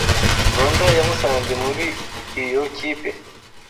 nonda yamusanze muri ioy kipe